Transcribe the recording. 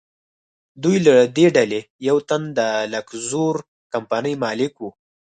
دوی له دې ډلې یو تن د لکزور کمپنۍ مالک و.